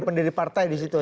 pendiri partai disitu